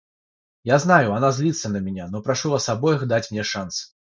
Я знаю, она злится на меня, но прошу вас обоих дать мне шанс.